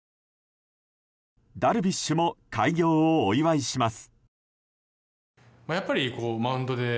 ダルビッシュも開業をお祝いします。